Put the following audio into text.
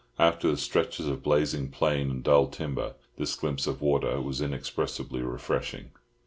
After the stretches of blazing plain and dull timber this glimpse of water was inexpressibly refreshing.